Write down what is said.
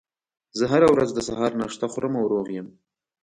زه هره ورځ د سهار ناشته خورم او روغ یم